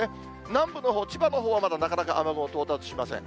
南部のほう、千葉のほうはまだなかなか雨雲到達しません。